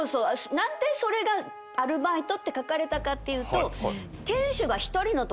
何でそれがアルバイトって書かれたかっていうと。